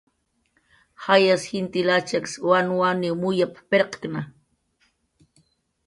"Jayas jintil achaks wanwaniw muyap"" pirqkna"